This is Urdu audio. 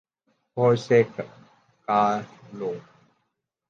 ہوش سے کا لو